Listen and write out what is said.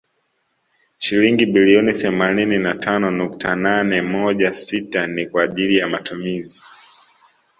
Shilingi bilioni themanini na tano nukta nane moja sita ni kwa ajili ya matumizi